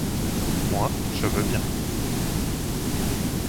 Moi, je veux bien.